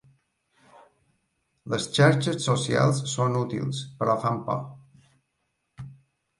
Les xarxes socials són útils, però fan por.